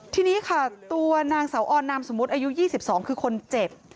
ทีนี้ค่ะตัวนางเสาออนนามสมมุติอายุ๒๒คือคนเจ็บ